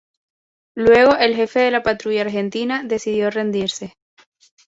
Luego, el jefe de la patrulla argentina decidió rendirse.